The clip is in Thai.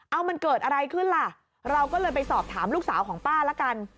เอามันเกิดอะไรขึ้นล่ะเราก็เลยไปสอบถามลูกสาวของป้าละกัน